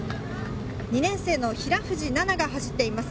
４年生の平藤楠菜が走っています。